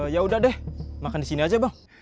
yaudah deh makan disini aja bang